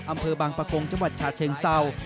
อำเภอบางประกงจังหวัดชาเชิงเศร้า